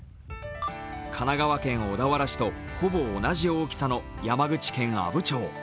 神奈川県小田原市とほぼ同じ大きさの山口県阿武町。